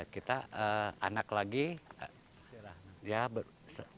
kita anak lagi ya pakai karet